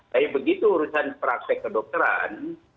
tapi begitu urusan praktek kedokteran